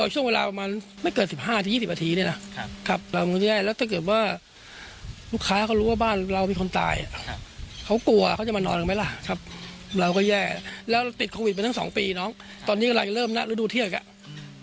หลานมาประถุจุดนี้ค่ารกัดถ้าการมานี้เป็นแป่บเดียวไว้